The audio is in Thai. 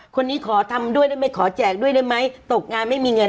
คนนี้ขอทำด้วยได้ไหมขอแจกด้วยได้ไหมตกงานไม่มีเงิน